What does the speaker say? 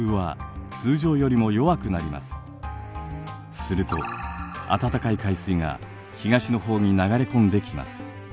すると暖かい海水が東の方に流れ込んできます。